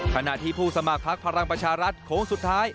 ขณะที่ผู้สมัครพักพลังประชารัฐโค้งสุดท้าย